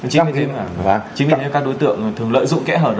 chính vì thế mà các đối tượng thường lợi dụng kẽ hở đó